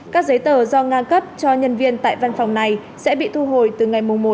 các giấy tờ do nga cấp cho nhân viên tại văn phòng này sẽ bị thu hồi từ ngày một tháng một mươi một tới